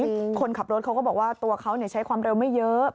คนขับรถเขาก็บอกว่าตัวเขาใช้ความเร็วไม่เยอะ